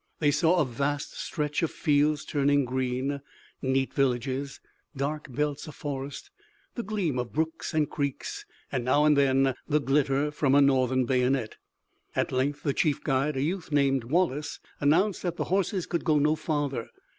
They saw a vast stretch of fields turning green, neat villages, dark belts of forest, the gleam of brooks and creeks, and now and then, the glitter from a Northern bayonet. At length the chief guide, a youth named Wallace, announced that the horses could go no farther.